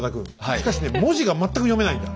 しかしね文字が全く読めないんだ。